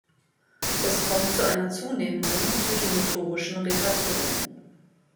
Es kommt zu einer zunehmenden psychomotorischen Retardierung.